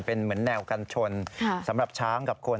เป็นเหมือนแนวกันชนสำหรับช้างกับคน